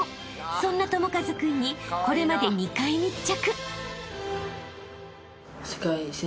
そんな智和君にこれまで２回密着］